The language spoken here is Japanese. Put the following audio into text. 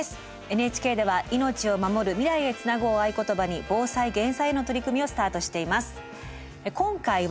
ＮＨＫでは「命をまもる未来へつなぐ」を合言葉に防災・減災への取り組みをスタートしています。